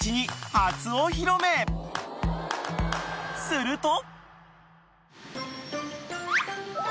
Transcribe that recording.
［すると］